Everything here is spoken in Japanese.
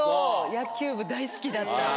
野球部大好きだった。